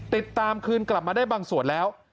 ติดตามคืนกลับมาได้บางส่วนแล้ว